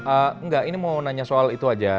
ehm engga ini mau nanya soal itu aja